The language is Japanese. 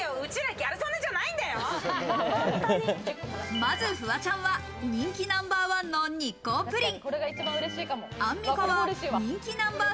まずフワちゃんは、人気ナンバーワンの日光ぷりん。